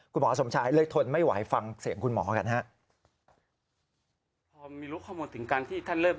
คุณหมอสมชายเลยทนไม่ไหวฟังเสียงคุณหมอกันครับ